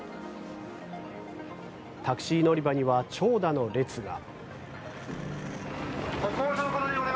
タクシー乗り場には長蛇の列が。